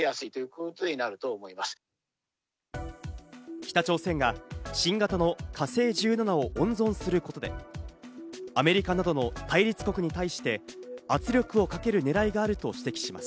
北朝鮮が新型の「火星１７」を温存することで、アメリカなどの対立国に対して、圧力をかける狙いがあると指摘します。